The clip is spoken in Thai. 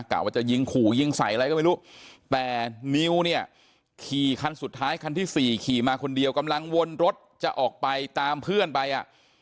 กะว่าจะยิงขู่ยิงใส่อะไรก็ไม่รู้แต่นิวเนี่ยขี่คันสุดท้ายคันที่สี่ขี่มาคนเดียวกำลังวนรถจะออกไปตามเพื่อนไปอ่ะ